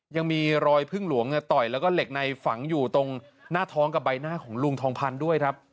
ยังมีรอยพึ่งหลวงต่อยแล้วก็เหล็กในฝังอยู่ตรงหน้าท้องกับใบหน้าของลุงทองพันธุ์ด้วยครับ